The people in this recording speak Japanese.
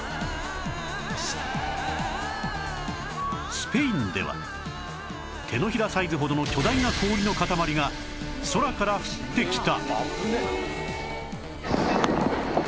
スペインでは手のひらサイズほどの巨大な氷の塊が空から降ってきた